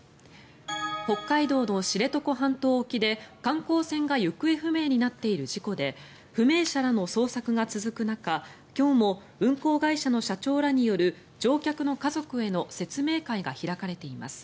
北海道の知床半島沖で観光船が行方不明になっている事故で不明者らの捜索が続く中、今日も運航会社の社長らによる乗客の家族への説明会が開かれています。